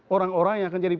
orang orang yang akan jadi